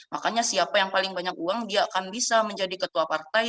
makanya siapa yang paling banyak uang dia akan bisa menjadi ketua partai